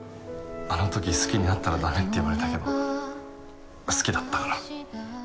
あの時好きになったら駄目って言われたけど好きだったから。